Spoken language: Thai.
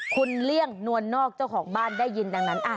คุณเลี่ยงนวลนอกเจ้าของบ้านได้ยินดังนั้น